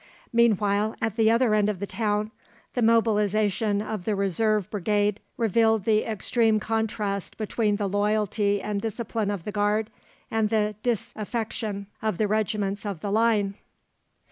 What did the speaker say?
Meanwhile at the other end of the town the mobilisation of the Reserve Brigade revealed the extreme contrast between the loyalty and discipline of the Guard and the disaffection of the regiments of the Line.